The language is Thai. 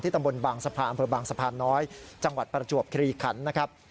ตำบลบางสะพานอำเภอบางสะพานน้อยจังหวัดประจวบคลีขันนะครับ